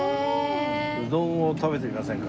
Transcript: うどんを食べてみませんか？